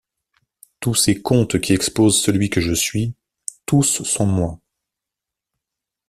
Tous ces contes qui exposent celui que je suis... tous sont moi.